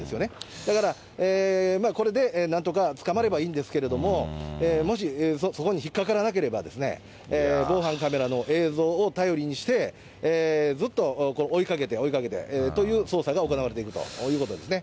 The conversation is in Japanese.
だから、これでなんとか捕まればいいんですけど、もし、そこに引っ掛からなければ、防犯カメラの映像を頼りにして、ずっと追いかけて、追いかけてという捜査が行われていくということですね。